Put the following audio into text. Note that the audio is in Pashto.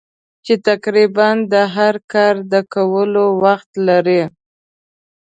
چې تقریباً د هر کار د کولو وخت لرې.